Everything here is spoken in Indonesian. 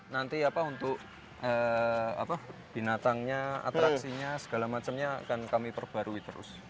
nanti apa untuk binatangnya atraksinya segala macamnya akan kami perbarui terus